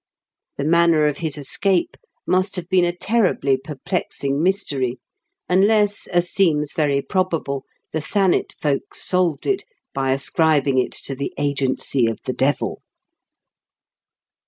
Tbe manner of bis escape must bave been a terribly perplexing mystery, unless, as seems very probable, tbe Tbanet folks solved it by ascribing it to tbe agency of tbe devil.